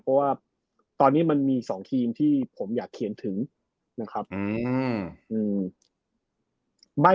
เพราะว่าตอนนี้มันมี๒ทีมที่ผมอยากเขียนถึงนะครับ